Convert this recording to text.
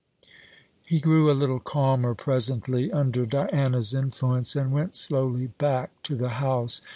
He grew a little calmer presently under Diana's influence, and went slowly back to the house.